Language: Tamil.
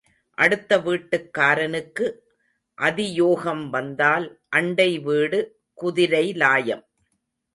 அடுத்த வீட்டுக்காரனுக்கு அதியோகம் வந்தால் அண்டை வீடு குதிரைலாயம்.